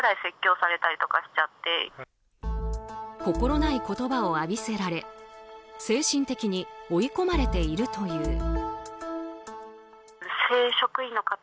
心ない言葉を浴びせられ精神的に追い込まれているという。